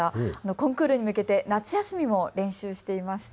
コンクールに向けて夏休みも練習していました。